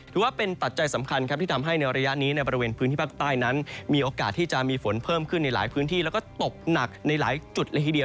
ปัจจัยสำคัญครับที่ทำให้ในระยะนี้ในบริเวณพื้นที่ภาคใต้นั้นมีโอกาสที่จะมีฝนเพิ่มขึ้นในหลายพื้นที่แล้วก็ตกหนักในหลายจุดละทีเดียว